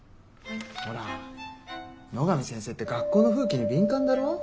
ほら野上先生って学校の風紀に敏感だろ。